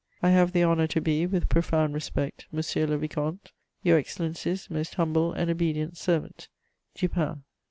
"I have the honour to be, with profound respect, "monsieur le vicomte, "Your Excellency's most humble and obedient servant, "DUPIN."